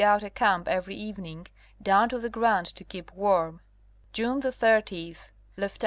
out a camp every evening, down to the ground to keep warm. June 30, Lieut.